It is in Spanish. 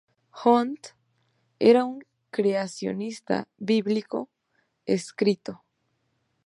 Hunt era un creacionista bíblico estricto.